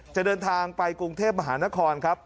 จะเดินทางไปกรุงเทพมหานครครับ